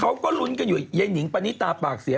เขาก็ลุ้นกันอยู่ยายนิงปณิตาปากเสีย